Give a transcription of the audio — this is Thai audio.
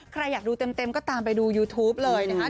ใครอยากดูเต็มก็ตามไปดูยูทูปเลยนะคะ